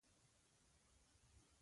پرون د سپینږیرو مخې ته بېادبي وشوه.